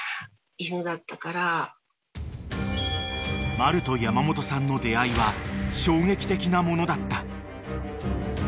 ［マルと山本さんの出会いは衝撃的なものだった］